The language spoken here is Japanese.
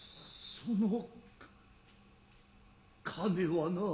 その金はな。